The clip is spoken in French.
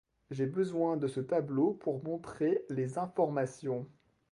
J'ai besoin de ce tableau pour montrer les informations.